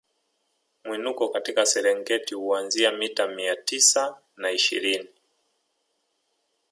Mwinuko katika Serengeti huanzia mita mia tisa na ishirini